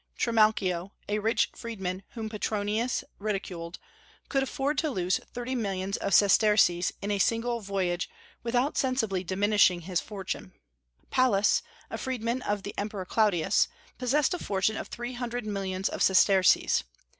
Trimalchio, a rich freedman whom Petronius ridiculed, could afford to lose thirty millions of sesterces in a single voyage without sensibly diminishing his fortune. Pallas, a freedman of the Emperor Claudius, possessed a fortune of three hundred millions of sesterces.